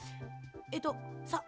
えっとさっ